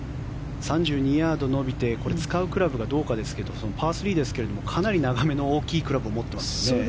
３２ヤード伸びてこれ、使うクラブがどうかですけれどパー３ですけれどかなり長めの大きいクラブを持っていますよね。